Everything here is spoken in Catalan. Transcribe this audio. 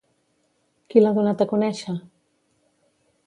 Qui l'ha donat a conèixer?